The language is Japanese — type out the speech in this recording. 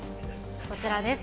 こちらです。